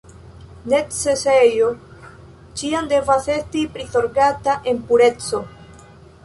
Necesejo ĉiam devas esti prizorgata en pureco.